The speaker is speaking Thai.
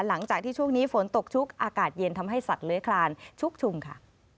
หลังจากที่ช่วงนี้ฝนตกชุกอากาศเย็นทำให้สัตว์เลื้อยคลานชุกชุมค่ะ